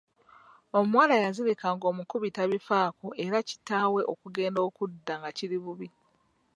Omuwala yazirika ng’omukubi tabifaako era kitaabwe okugenda okudda nga kiri bubi.